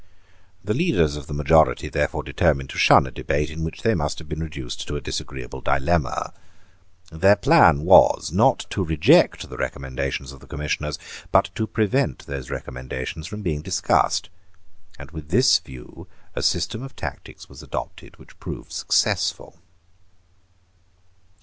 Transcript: The leaders of the majority therefore determined to shun a debate in which they must have been reduced to a disagreeable dilemma. Their plan was, not to reject the recommendations of the Commissioners, but to prevent those recommendations from being discussed; and with this view a system of tactics was adopted which proved successful.